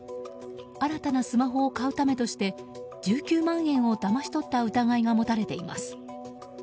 新たなスマホを買うためとして１９万円をだまし取った疑いが持たれています。